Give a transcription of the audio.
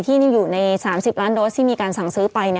ที่อยู่ใน๓๐ล้านโดสที่มีการสั่งซื้อไป